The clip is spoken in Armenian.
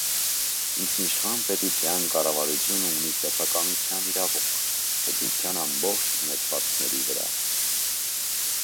Ինքնիշխան պետութեան կառավարութիւնը ունի սեփականութեան իրաւունք պետութեան ամբողջ ունեցուածքներուն վրայ։